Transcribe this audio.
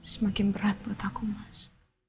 semakin berat buat aku mas